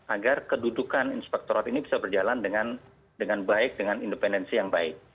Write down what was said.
agar kedudukan inspektorat ini bisa berjalan dengan baik dengan independensi yang baik